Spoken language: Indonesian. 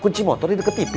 kunci motor di deket tv